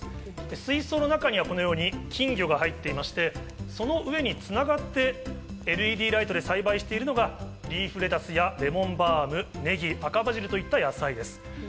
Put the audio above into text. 水槽の中には、このように金魚が入っていまして、その上に繋がってＬＥＤライトで栽培しているのがリーフレタスやレモンバーム、ネギ、赤バジルといった野菜です。